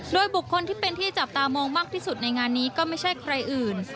โดยบุคคลที่เป็นที่จับตามองมากที่สุดในงานนี้ก็ไม่ใช่ใครอื่น